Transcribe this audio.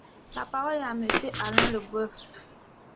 La parole est à Monsieur Alain Leboeuf.